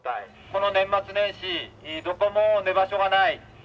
この年末年始どこも寝場所がない。